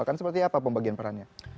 akan seperti apa pembagian perannya